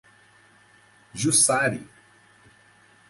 Jussari